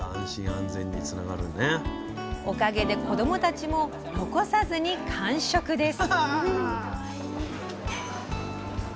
おかげで子供たちも残さずに完食です！